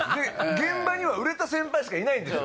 現場には売れた先輩しかいないんですよ